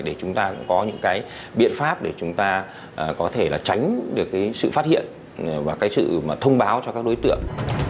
để chúng ta cũng có những cái biện pháp để chúng ta có thể là tránh được cái sự phát hiện và cái sự thông báo cho các đối tượng